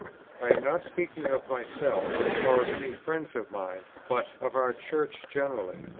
I am not speaking of myself, or of any friends of mine; but of our Church generally.